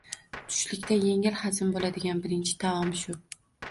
Tushlikda yengil hazm boʻladigan birinchi taom shu.